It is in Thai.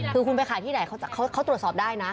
คือคุณไปขายที่ไหนเขาตรวจสอบได้นะ